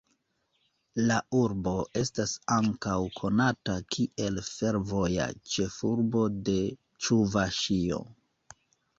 La urbo estas ankaŭ konata kiel ""fervoja ĉefurbo de Ĉuvaŝio"".